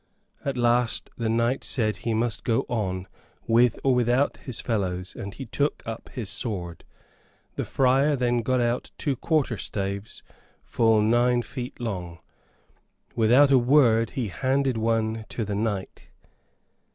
At last the knight said he must go on, with or without his fellows, and he took up his sword. The friar then got out two quarter staves, full nine feet long. Without a word he handed one to the knight.